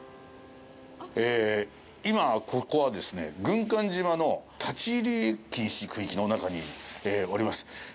今、ここはですね、軍艦島の立入禁止区域の中におります。